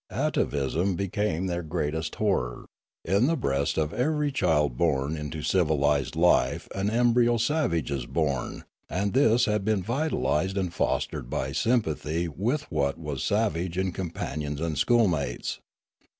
Atavism became their greatest horror; in the breast of every child born into civilised life an embryo savage is born, and this had been vitalised and fostered by sympathy with what was savage in companions and schoolmates.